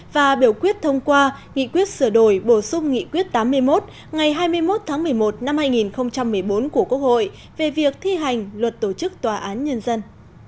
và biểu quyết thông qua nghị quyết sửa đổi bổ sung nghị quyết tám mươi một ngày hai mươi một tháng một mươi một năm hai nghìn một mươi bốn của quốc hội về việc thi hành luật tổ chức tòa án nhân dân